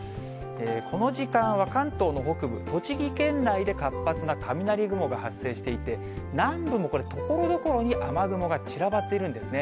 この時間は関東の北部、栃木県内で活発な雷雲が発生していて、南部もこれ、ところどころに雨雲が散らばっているんですね。